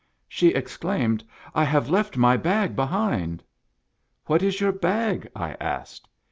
She exclaimed, " I have left my bag behind !"" What is your bag? " I asked.